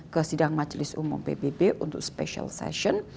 ke sidang majelis umum pbb untuk special session